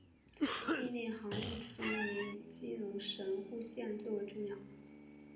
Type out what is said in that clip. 命令航路之中也以基隆神户线最为重要。